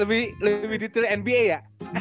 oh lu lebih detail nba ya